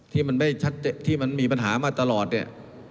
ที่มันมีปัญหามาตลอดเนี่ย